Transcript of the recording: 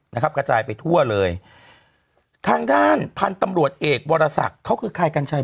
กระจายไปทั่วเลยทางด้านพันธุ์ตำรวจเอกวรศักดิ์เขาคือใครกัญชัย